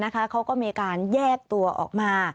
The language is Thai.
เขาก็มีการแยกตัวออกมา